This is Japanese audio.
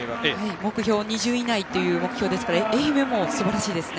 目標２０位以内ということですから愛媛もすばらしいですね。